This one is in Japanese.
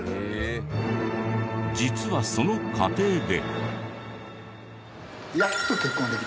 実はその過程で。